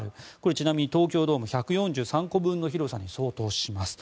ちなみに東京ドーム１４３個分の広さに相当します。